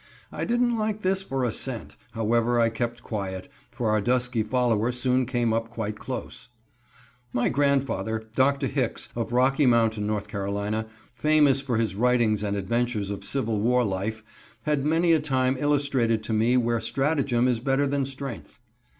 I didn't like this for a cent, however I kept quiet, and our dusky follower soon came up quite close. My grandfather, Dr. Hicks, of Rocky Mount, N. C., famous for his writings and adventures of Civil War life, has many a time illustrated to me where strategem is better than strength.